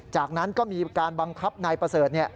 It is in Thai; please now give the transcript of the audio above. จากนั้นก็มีการบังคับนายประเสริฐ